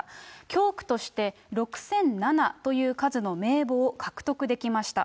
教区として６００７という数の名簿を獲得できました。